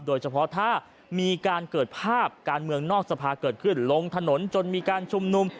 โดยเฉพาะถ้ามีการเกิดภาพการเมืองนอกสภาเกิดขึ้นลงถนนจนมีการชุมนุม